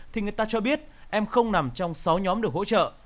thì người ta cho biết em không nằm trong sáu nhóm được hỗ trợ